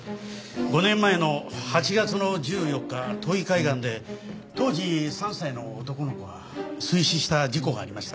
５年前の８月の１４日土肥海岸で当時３歳の男の子が水死した事故がありました。